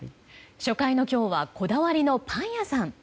初回の今日はこだわりのパン屋さん。